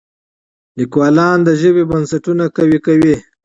لیکوالان د ژبې بنسټونه قوي کوي.